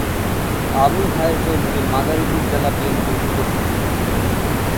আবুল খায়ের চৌধুরী মাদারীপুর জেলা বিএনপির সদস্য ছিলেন।